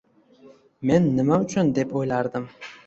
Men nima uchun deb o'ylardim